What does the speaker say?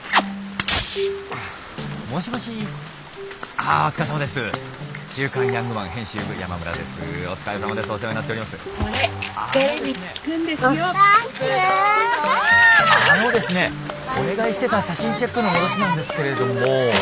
あのですねお願いしてた写真チェックの戻しなんですけれども。